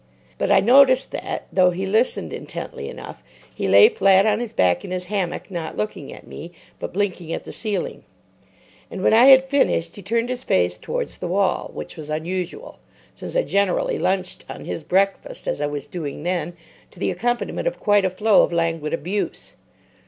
But I noticed that, though he listened intently enough, he lay flat on his back in his hammock, not looking at me, but blinking at the ceiling; and when I had finished he turned his face towards the wall—which was unusual, since I generally lunched on his breakfast, as I was doing then, to the accompaniment of quite a flow of languid abuse.